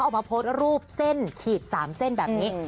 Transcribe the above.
ออกมาโพสต์รูปเส้นฉีด๓เส้นแบบนี้